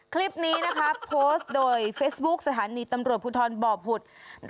คลิปนี้นะคะโพสต์โดยเฟซบุ๊คสถานีตำรวจภูทรบ่อผุด